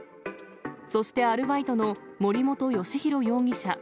そしてアルバイトの森本義洋容疑者